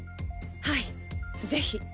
はいぜひ。